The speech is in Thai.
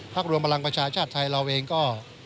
พรรครวมลังก์ประชาชนชาติไทยเราเองก็